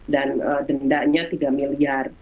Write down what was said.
dan dendanya tiga miliar